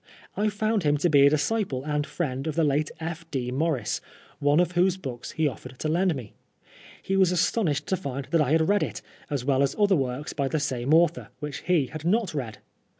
I found him to be a disciple and Mend of the late F. D. Maurice, one of whose books he offered to lend me. He was astonished ^•o find that I had read it, as well as other works by the vme author, which he had not read.